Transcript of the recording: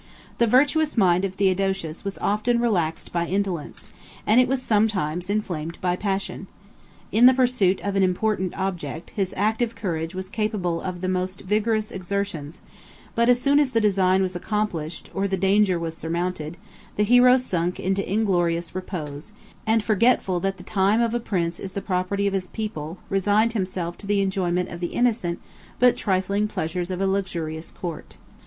The virtuous mind of Theodosius was often relaxed by indolence, 82 and it was sometimes inflamed by passion. 83 In the pursuit of an important object, his active courage was capable of the most vigorous exertions; but, as soon as the design was accomplished, or the danger was surmounted, the hero sunk into inglorious repose; and, forgetful that the time of a prince is the property of his people, resigned himself to the enjoyment of the innocent, but trifling, pleasures of a luxurious court.